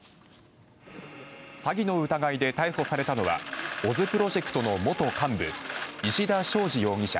詐欺の疑いで逮捕されたのはオズプロジェクトの元幹部石田祥司容疑者